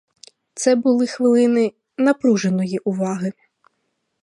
Це були хвилини напруженої уваги.